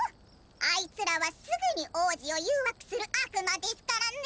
あいつらはすぐに王子を誘惑する悪魔ですからね」。